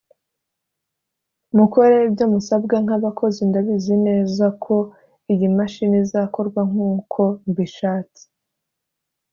mukore ibyo musabwa nk’abakozi ndabizi neza ko iyi mashini izakorwa nk’ uko mbishatse